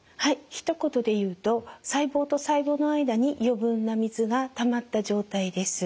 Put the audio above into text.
ひと言で言うと細胞と細胞の間に余分な水がたまった状態です。